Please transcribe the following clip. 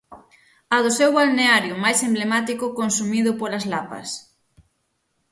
A do seu balneario máis emblemático consumido polas lapas.